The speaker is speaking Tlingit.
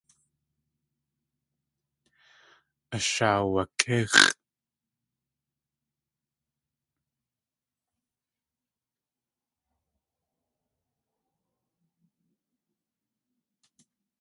Ashaawakʼíx̲ʼ.